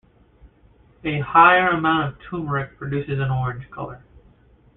A higher amount of turmeric produces an orange color.